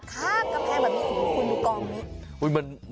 คาบกระแพงแบบมีสูงคุณในกองนี้